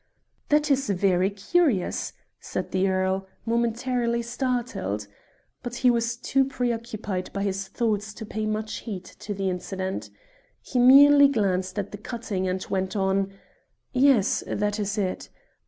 "That is very curious," said the earl, momentarily startled. But he was too preoccupied by his thoughts to pay much heed to the incident. He merely glanced at the cutting and went on: "Yes, that is it.